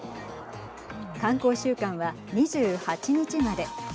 観光週間は２８日まで。